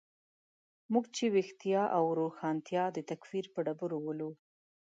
موږ چې ویښتیا او روښانتیا د تکفیر په ډبرو ولو.